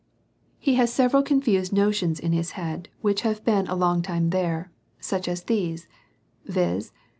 He has several confused notions in his head, which have been a long time there, such as these, viz.